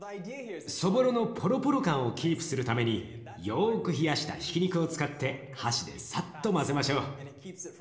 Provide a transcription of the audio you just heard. そぼろのポロポロ感をキープするためによく冷やしたひき肉を使って箸でさっと混ぜましょう。